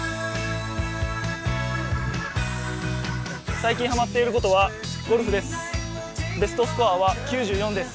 最近ハマっていることはゴルフです。